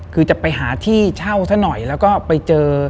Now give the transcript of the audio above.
คือจะไปหาที่เช่าซะหน่อยแล้วก็ไปเจอ